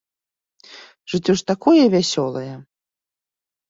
Жыццё ж такое вясёлае!